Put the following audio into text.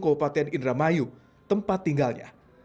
kabupaten indramayu tempat tinggalnya